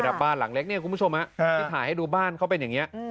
แต่บ้านหลังเล็กเนี่ยคุณผู้ชมที่ถ่ายให้ดูบ้านเขาเป็นอย่างนี้